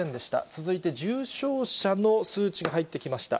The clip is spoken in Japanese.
続いて、重症者の数値が入ってきました。